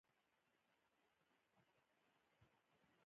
بسنت ورما یو تېز بالر وو.